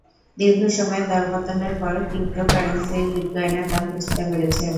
দীর্ঘ সময়ের দরপতনের পর ক্রিপ্টোকারেন্সি বিটকয়েনের দাম কিছুটা বেড়েছে।